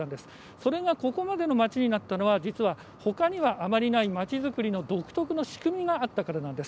それがここまでの街になったのは実はほかにはあまりない、まちづくりの独特な仕組みがあったからなんです。